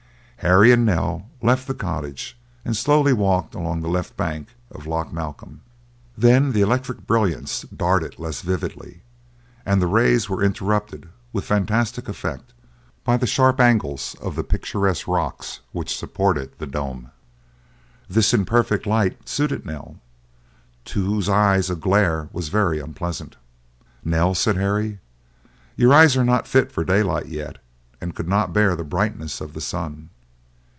Harry and Nell left the cottage, and slowly walked along the left bank of Loch Malcolm. Then the electric brilliance darted less vividly, and the rays were interrupted with fantastic effect by the sharp angles of the picturesque rocks which supported the dome. This imperfect light suited Nell, to whose eyes a glare was very unpleasant. "Nell," said Harry, "your eyes are not fit for daylight yet, and could not bear the brightness of the sun."